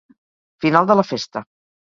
Final de la festa.